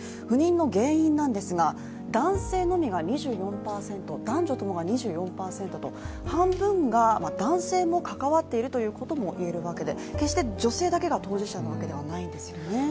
不妊の原因なんですが、男性のみが２４％、男女ともが２４％と半分が男性も関わっているということも言えるわけで決して女性だけが当事者なわけではないんですね。